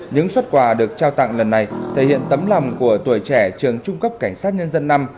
những xuất quà được trao tặng lần này thể hiện tấm lòng của tuổi trẻ trường trung cấp cảnh sát nhân dân năm